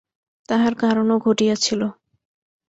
তাহার কারণও ঘটিয়াছিল।